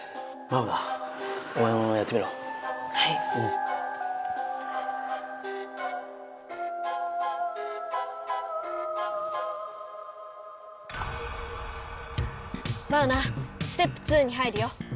マウナステップ２に入るよ。